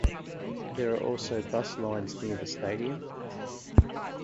There are also bus lines near the stadium.